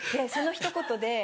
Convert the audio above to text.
そのひと言で。